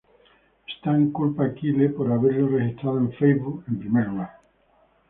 Stan culpa a Kyle por haberlo registrado en Facebook en primer lugar.